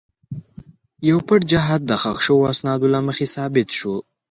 یو پټ جهاد د ښخ شوو اسنادو له مخې ثابت شو.